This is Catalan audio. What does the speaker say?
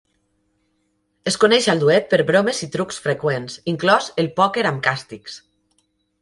Es coneix al duet per bromes i trucs freqüents, inclòs el pòquer amb càstigs.